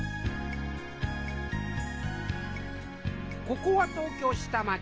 ここは東京下町。